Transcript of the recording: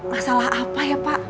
masalah apa ya pak